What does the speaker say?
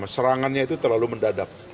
serangannya itu terlalu mendadak